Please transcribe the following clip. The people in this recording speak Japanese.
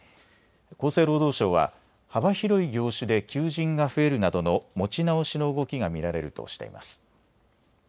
厚生労働省は幅広い業種で求人が増えるなどの持ち直しの動きが見られるとしています。